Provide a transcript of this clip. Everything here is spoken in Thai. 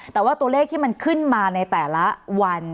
แต่ว่าตัวเลขที่มันขึ้นมาในแต่ละวัน